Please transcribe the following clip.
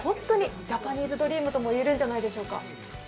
ジャパニーズドリームといえるんじゃないでしょうか。